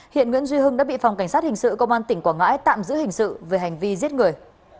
hiện nguyễn duy hưng đã bị phòng cảnh sát hình sự công an tỉnh quảng ngãi tạm giữ hình sự về hành vi giết người